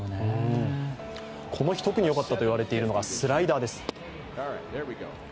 この日特によかったと言われているのがスライダーです。